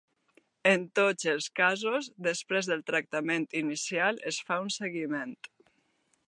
En tots els casos, després del tractament inicial es fa un seguiment.